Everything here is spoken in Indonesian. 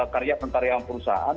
karya pentariang perusahaan